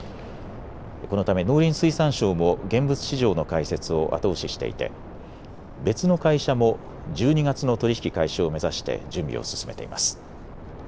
このため農林水産省も現物市場の開設を後押ししていて別の会社も１２月の取り引き開始を目指して準備を進めています。